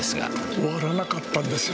終わらなかったんですよ。